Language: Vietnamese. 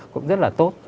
cũng rất là tốt